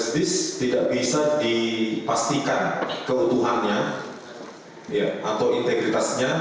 tidak bisa dipastikan keutuhannya atau integritasnya